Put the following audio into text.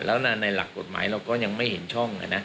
แล้วในหลักกฎหมายเราก็ยังไม่เห็นช่อง